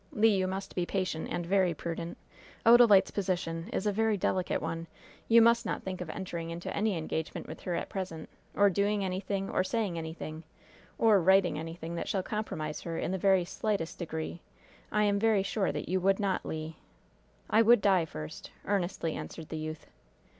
Le, you must be patient, and very prudent. Odalite's position is a very delicate one. You must not think of entering into any engagement with her at present, or doing anything, or saying anything, or writing anything that shall compromise her in the very slightest degree. I am very sure that you would not, Le." "I would die first," earnestly answered the youth.